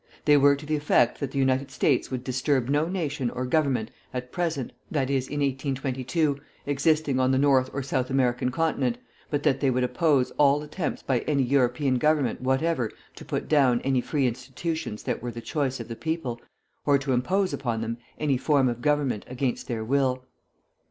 They were to the effect that the United States would disturb no nation or government at present (i. e., in 1822) existing on the North or South American continent, but that they would oppose all attempts by any European Government whatever to put down any free institutions that were the choice of the people, or to impose upon them any form of government against their will.